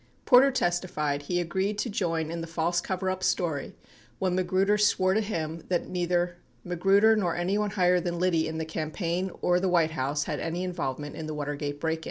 98 Porter testified he agreed to join in the false coverup story when Magruder swore to him that neither Magruder nor anyone higher than Liddy in the campaign or the White House had any involvement in the Watergate break in.